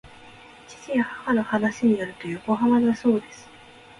父や母の話によると横浜だそうです